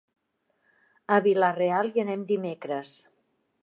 A Vila-real hi anem dimecres.